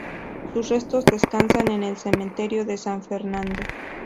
Sus restos descansan en el Cementerio de San Fernando.